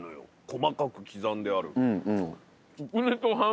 細かく刻んである。